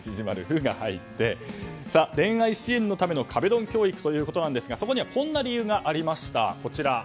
「フ」が入って恋愛支援のための壁ドン教育ということですがそこにはこんな理由がありました。